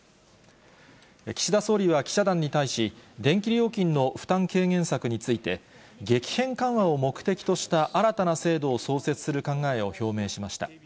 岸田総理は記者団に対し、電気料金の負担軽減策について、激変緩和を目的とした新たな制度を創設する考えを表明しました。